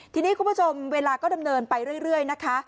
ทีนี้คุณผู้ชมเวลาก็ดำเนินไปเรื่อยนะคะ